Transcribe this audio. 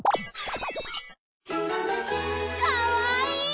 かわいい！